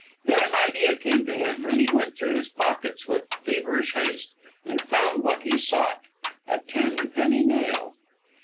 Then an idea came to him, and he went through his pockets with feverish haste, and found what he sought a ten penny nail.